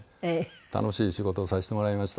楽しい仕事をさせてもらいました。